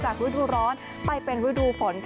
จากระดูร้อนไปเป็นระดูฝน